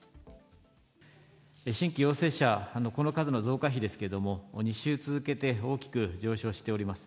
新規陽性者のこの数の増加比ですけれども、２週続けて大きく上昇しております。